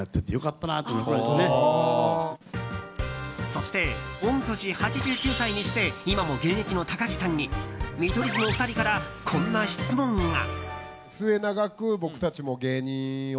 そして、御年８９歳にして今も現役の高木さんに見取り図の２人からこんな質問が。